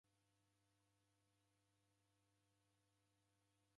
Kwa itanaa nisighe kwaza.